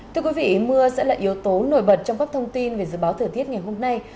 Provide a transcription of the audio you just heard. thưa quý vị mưa sẽ là yếu tố nổi bật trong các thông tin về dự báo thời tiết ngày hôm nay